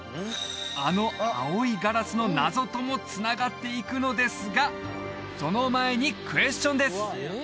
あの青いガラスの謎ともつながっていくのですがその前にクエスチョンです